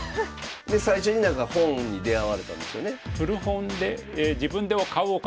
で最初になんか本に出会われたんですよね。